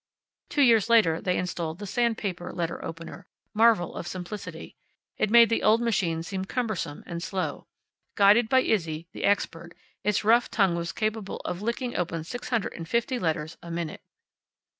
Two years later they installed the sand paper letter opener, marvel of simplicity. It made the old machine seem cumbersome and slow. Guided by Izzy, the expert, its rough tongue was capable of licking open six hundred and fifty letters a minute.